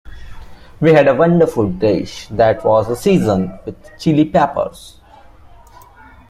We had a wonderful dish that was seasoned with Chili Peppers.